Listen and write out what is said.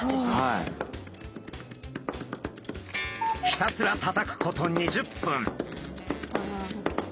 ひたすらたたくこと２０分。